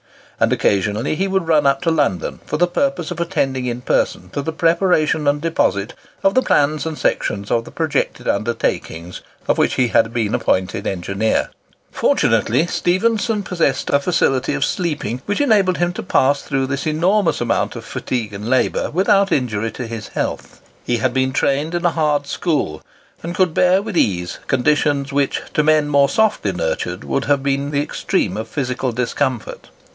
And occasionally he would run up to London, for the purpose of attending in person to the preparation and deposit of the plans and sections of the projected undertakings of which he had been appointed engineer. Fortunately Stephenson possessed a facility of sleeping, which enabled him to pass through this enormous amount of fatigue and labour without injury to his health. He had been trained in a hard school, and could bear with ease conditions which, to men more softly nurtured, would have been the extreme of physical discomfort.